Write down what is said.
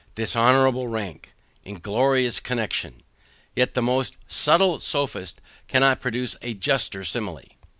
Dishonorable rank! Inglorious connexion! Yet the most subtile sophist cannot produce a juster simile.